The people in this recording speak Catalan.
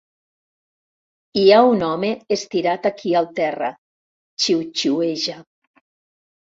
Hi ha un home estirat aquí al terra, xiuxiueja.